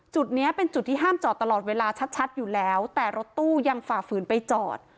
จุดนี้เป็นจุดที่ห้ามจอดตลอดเวลาชัดอยู่แล้วแต่รถตู้ยังฝ่าฝืนไปจอด